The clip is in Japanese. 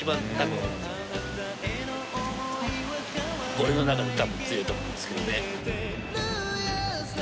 兇涼罎多分強いと思うんですけどね。